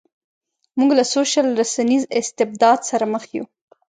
موږ له سوشل رسنیز استبداد سره مخ یو.